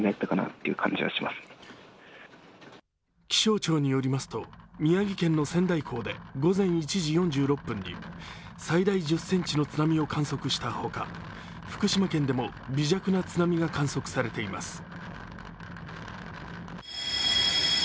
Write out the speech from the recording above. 気象庁によりますと宮城県の仙台港で午前１時４６分に最大１０ｃｍの津波を観測したほか福島県でも微弱な津波が観測されています。